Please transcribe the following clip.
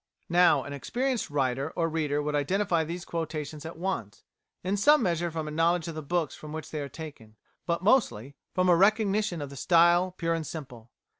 Now, an experienced writer, or reader, would identify these quotations at once; in some measure from a knowledge of the books from which they are taken, but mostly from a recognition of style pure and simple.